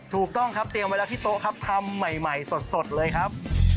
ถูกต้องครับเตรียมไว้แล้วที่โต๊ะครับทำใหม่สดเลยครับ